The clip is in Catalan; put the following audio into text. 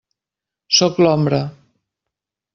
Sóc l'Ombra.